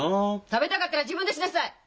食べたかったら自分でしなさい！